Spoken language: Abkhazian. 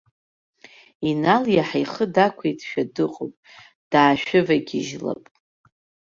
Инал иаҳа ихы дақәиҭшәа дыҟоуп, даашәывагьежьлап.